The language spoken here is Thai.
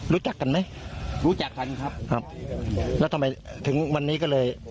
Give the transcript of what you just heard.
รู้จักกันไหมรู้จักกันครับครับแล้วทำไมถึงวันนี้ก็เลย